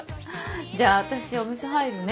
じゃあ私お店入るね。